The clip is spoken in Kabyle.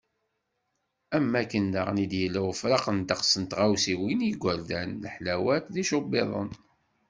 Am wakken daɣen i d-yella ufraq n ddeqs n tɣawsiwin i yigerdan, leḥlawat, tičupiḍin.